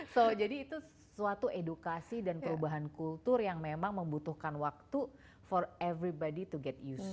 so jadi itu suatu edukasi dan perubahan kultur yang memang membutuhkan waktu for everybody to get use